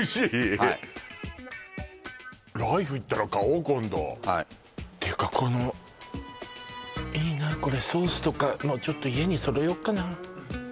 はいライフ行ったら買おう今度はいていうかこのいいなこれソースとかのちょっと家に揃えよっかな